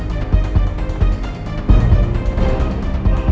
karena itu saya sudah selesai